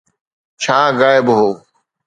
ڇا غائب هو؟